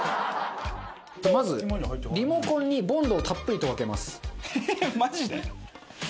まずリモコンにボンドをたっぷりとかけます。